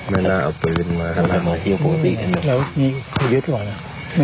แม่นภาคถึงจะได้ไหม